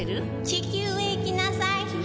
「地球へ行きなさい」